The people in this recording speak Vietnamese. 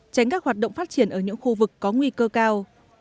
tránh các hoạt động phát triển ở những khu vực có nguy cơ cao